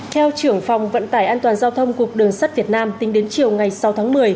theo trưởng phòng vận tải an toàn giao thông cục đường sắt việt nam tính đến chiều ngày sáu tháng một mươi